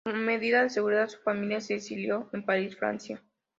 Como medida de seguridad, su familia se exilió en París, Francia.